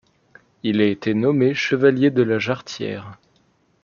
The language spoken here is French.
Il a été nommé Chevalier de la Jarretière.